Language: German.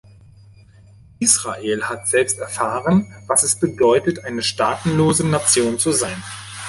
Israel hat selbst erfahren, was es bedeutet, eine staatenlose Nation zu sein.